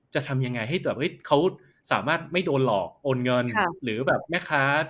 จะทำยังไงให้แบบเฮ้ยเขาสามารถไม่โดนหลอกโอนเงินหรือแบบแม่ค้า